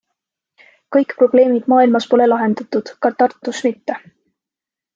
Kõik probleemid maailmas pole lahendatud, ka Tartus mitte.